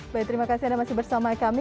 baik terima kasih anda masih bersama kami